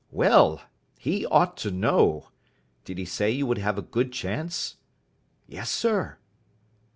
Well, he ought to know. Did he say you would have a good chance?" "Yes, sir."